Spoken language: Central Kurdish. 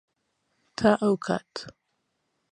تا ئەو کات.